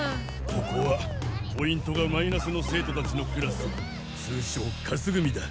ここはポイントがマイナスの生徒たちのクラス通称カス組だ。